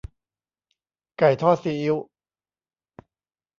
ไก่ทอดซีอิ๊ว